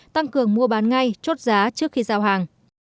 tăng cường mua bán ngay chốt giá trước khi giao hàng